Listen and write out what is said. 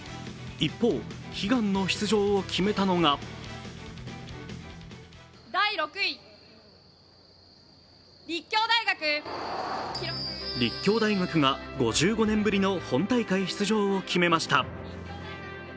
一方、悲願の出場を決めたのが立教大学が５５年ぶりの本大会出場を決めました。